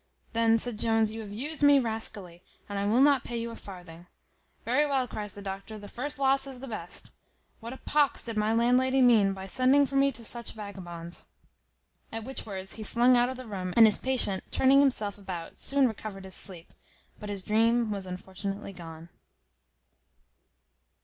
"Then," said Jones, "you have used me rascally, and I will not pay you a farthing." "Very well," cries the doctor; "the first loss is the best. What a pox did my landlady mean by sending for me to such vagabonds!" At which words he flung out of the room, and his patient turning himself about soon recovered his sleep; but his dream was unfortunately gone.